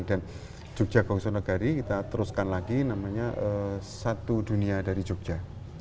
dan jogja gongso negari kita teruskan lagi namanya satu dunia dari jogja